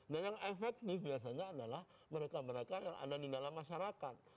dan yang efektif biasanya adalah mereka mereka yang ada di dalam masyarakat